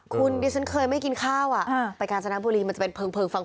คุณดิฉันเคยไม่กินข้าวอ่ะไปกาญจนบุรีมันจะเป็นเพลิงฟัง